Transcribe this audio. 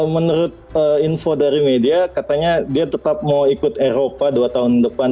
menurut info dari media katanya dia tetap mau ikut eropa dua tahun depan